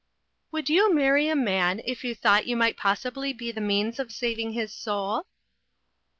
" Would you marry a man, if you thought you might possibly be the means of saving his soul?"